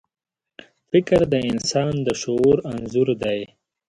فکر د انسان د شعور انځور دی.